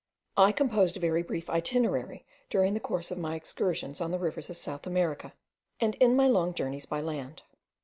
I composed a very brief itinerary during the course of my excursions on the rivers of South America, and in my long journeys by land.